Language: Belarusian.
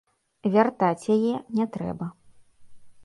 Вяртаць яе не трэба.